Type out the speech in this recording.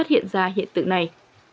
hiện ra hiện tự này